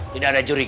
tidak ada juring